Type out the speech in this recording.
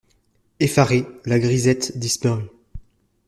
Effarée, la grisette disparut.